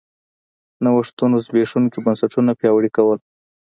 نوښتونو زبېښونکي بنسټونه پیاوړي کول